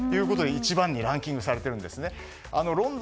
１番にランキングされているんですね。